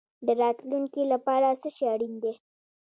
د راتلونکي لپاره څه شی اړین دی؟